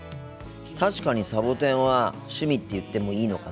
確かにサボテンは趣味って言ってもいいのかな。